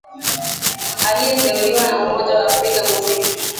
liyeteuliwa na umoja wa afrika muziki